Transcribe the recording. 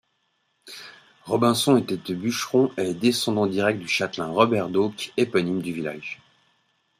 Robinson était bûcheron et descendant direct du châtelain Robert Doak, éponyme du village.